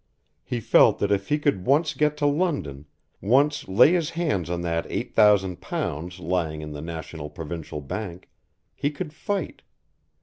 He felt that if he could once get to London, once lay his hands on that eight thousand pounds lying in the National Provincial Bank, he could fight.